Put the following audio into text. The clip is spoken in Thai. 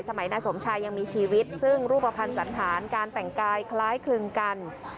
นายสมชายยังมีชีวิตซึ่งรูปภัณฑ์สันธารการแต่งกายคล้ายคลึงกัน